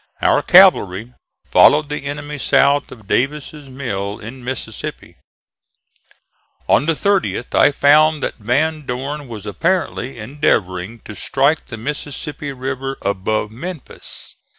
Our cavalry followed the enemy south of Davis' mills in Mississippi. On the 30th I found that Van Dorn was apparently endeavoring to strike the Mississippi River above Memphis.